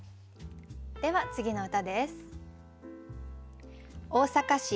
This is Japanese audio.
では次の歌です。